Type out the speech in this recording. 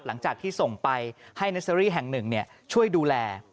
หลังจากที่ส่งไปให้เนอร์เซอรี่แห่งหนึ่งช่วยดูแล